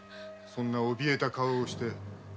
そんなおびえた顔をして。